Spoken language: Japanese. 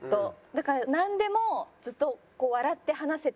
だからなんでもずっと笑って話せていけるというか。